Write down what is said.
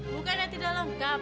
bukan yang tidak lengkap